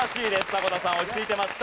迫田さん落ち着いてました。